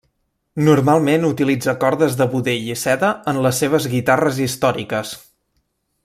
Normalment utilitza cordes de budell i seda en les seves guitarres històriques.